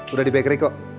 udah di bakery kok